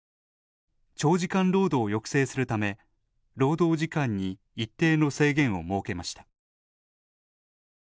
長時間労働を抑制するため労働時間に一定の制限を設けました。